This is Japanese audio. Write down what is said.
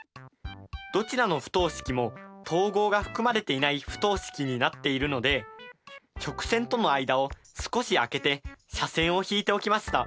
どちらの不等式も等号が含まれていない不等式になっているので直線との間を少し空けて斜線を引いておきました。